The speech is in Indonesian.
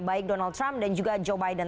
baik donald trump dan juga joe biden